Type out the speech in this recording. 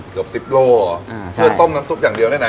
เกือบสิบโลเหรออ่าใช่เพื่อต้มน้ำซุปอย่างเดียวด้วยนะ